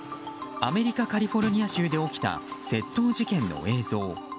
アメリカ・カリフォルニア州で起きた窃盗事件の映像。